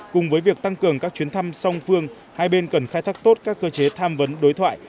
cùng với việc tăng cường các chuyến thăm song phương hai bên cần khai thác tốt các cơ chế tham vấn đối thoại